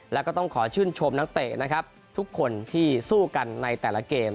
แล้วก็ต้องขอชื่นชมนักเตะนะครับทุกคนที่สู้กันในแต่ละเกม